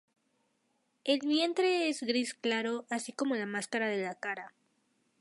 El vientre es gris claro así como la máscara de la cara.